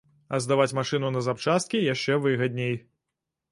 А здаваць машыну на запчасткі яшчэ выгадней.